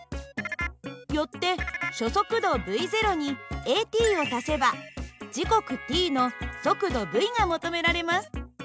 よって初速度υにａｔを足せば時刻ｔの速度υが求められます。